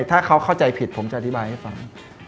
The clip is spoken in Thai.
ถ้าเขาเข้าใจผิดผมจะอธิบายให้ฟัง